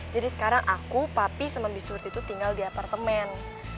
jadi sekarang aku papi sama biswet itu tinggal di apartemen